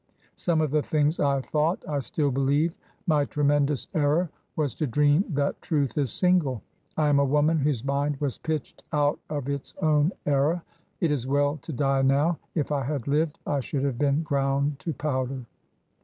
Some of the things I thought I still believe. My tremendous error was to dream that Truth is single. I am a woman whose mind was pitched out of its own era. It is well to die now. If I had lived, I should have been ground to powder."